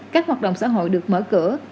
các hoạt động xã hội được mở cửa